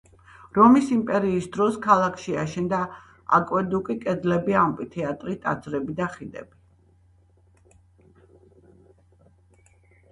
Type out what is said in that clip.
რომის იმპერიის დროს ქალაქში აშენდა აკვედუკი, კედლები, ამფითეატრი, ტაძრები და ხიდები.